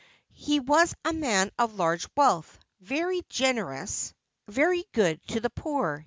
He was a man of large wealth, very generous, very good to the poor.